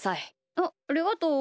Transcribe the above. あっありがとう。